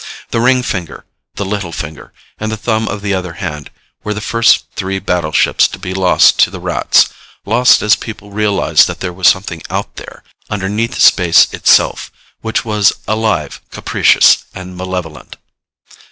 The ring finger, the little finger, and the thumb of the other hand were the first three battleships to be lost to the Rats lost as people realized that there was something out there underneath space itself which was alive, capricious and malevolent.